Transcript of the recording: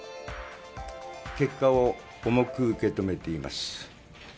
結果を重く受け止めています。